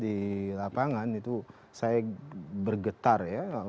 di lapangan itu saya bergetar ya